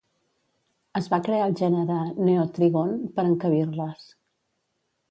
Es va crear el gènere Neotrygon per encabir-les